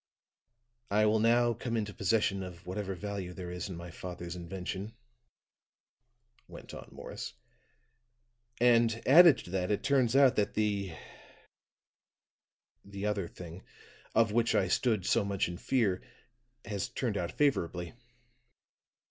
"I will now come into possession of whatever value there is in my father's invention," went on Morris, "and added to that, it turns out that the the other thing, of which I stood so much in fear, has turned out favorably.